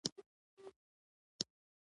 ډېر مېلمه پاله او مینه ناک خلک دي.